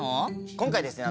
今回ですね